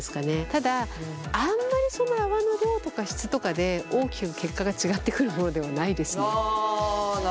ただあんまりその泡の量とか質とかで大きく結果が違ってくるものではないですね。